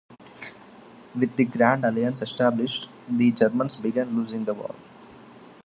With the Grand Alliance established, the Germans began losing the war.